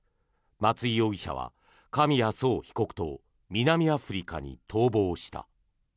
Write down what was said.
松井容疑者は紙谷惣容疑者と南アフリカに逃亡した。